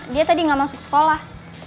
dia tadi nggak masuk sekolah